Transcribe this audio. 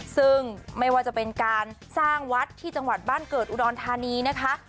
ซึ่งไม่ว่าจะเป็นการสร้างวัดที่จังหวัดบ้านเกิดอุดรธานีนะคะ